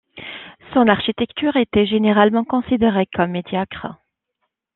Son architecture était généralement considérée comme médiocre.